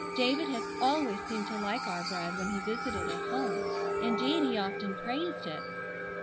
David has always seemed to like our bread when he visited at home. Indeed he often praised it."